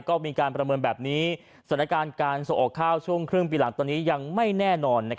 ก็มีการประเมินแบบนี้สถานการณ์การส่งออกข้าวช่วงครึ่งปีหลังตอนนี้ยังไม่แน่นอน